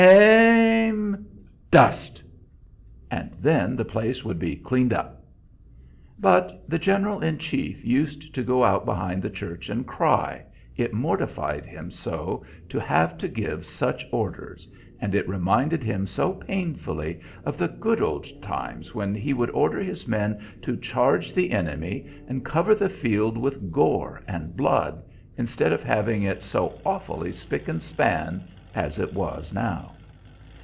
Aim! Dust!' And then the place would be cleaned up. But the General in Chief used to go out behind the church and cry, it mortified him so to have to give such orders, and it reminded him so painfully of the good old times when he would order his men to charge the enemy, and cover the field with gore and blood, instead of having it so awfully spick and span as it was now.